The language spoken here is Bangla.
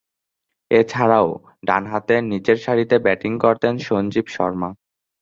এছাড়াও, ডানহাতে নিচেরসারিতে ব্যাটিং করতেন সঞ্জীব শর্মা।